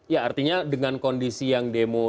ya artinya dengan kondisi yang demo